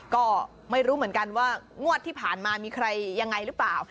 ก็ไม่รู้เหมือนกันว่างวดที่ผ่านมามีใครยังไงหรือเปล่า